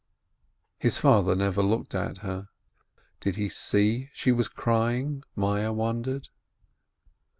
His father never looked at her. Did he see she was crying? Meyerl wondered.